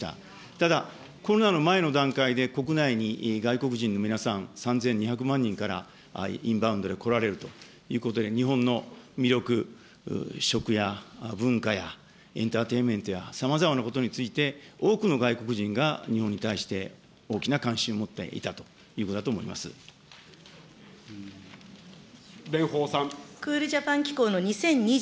ただ、コロナの前の段階で国内に外国人の皆さん、３２００万人からインバウンドで来られるということで、日本の魅力、食や文化やエンターテインメントや、さまざまなことについて、多くの外国人が日本に対して大きな関心を持っていたということだ蓮舫さん。